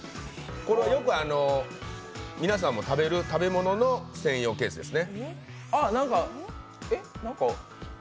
これはよく、皆さんも食べる食べ物の専用ケースです。